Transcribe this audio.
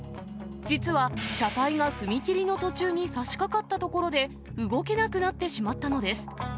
実は、車体が踏切の途中にさしかかったところで動けなくなってしまったのです。